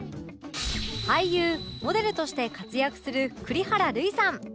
俳優モデルとして活躍する栗原類さん